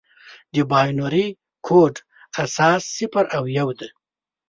د بایونري کوډ اساس صفر او یو دی.